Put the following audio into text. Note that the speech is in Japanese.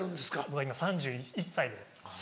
僕が今３１歳で。